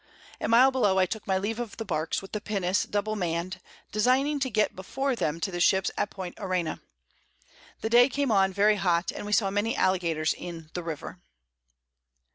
A mile below I took my Leave of the Barks, with the Pinnace double mann'd, designing to get before them to the Ships at Point Arena. The Day came on very hot, and we saw many Alligators in the River.